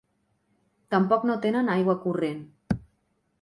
Tampoc no tenen aigua corrent.